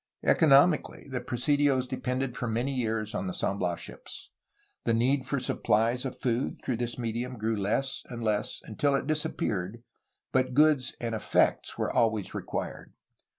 Economically the presidios depended for many years on the San Bias ships. The need for supplies of food through this medium grew less and less until it disappeared, but goods and effects were always required.